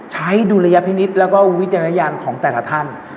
ดุลยพินิษฐ์แล้วก็วิจารณญาณของแต่ละท่าน